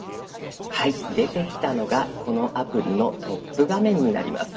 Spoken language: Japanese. はい出てきたのがこのアプリのトップ画面になります。